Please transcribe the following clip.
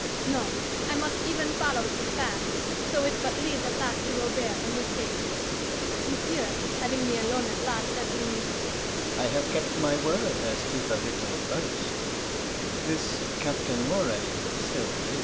No, I must even follow this path, so it but lead at last to Robert and his safety. Monsieur, having me alone at last, said to me, "I have kept my word as to the little boast: this Captain Moray still lives."